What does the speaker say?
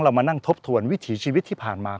มานั่งทบทวนวิถีชีวิตที่ผ่านมา